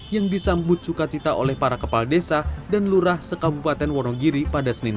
yang disambut sukacita oleh para kepala desa dan lurah sekabupaten wonogiri pada senin